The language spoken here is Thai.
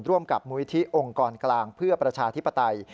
ร่วมกับมูลิธิองค์กรกลางเพื่อประชาธิปไตย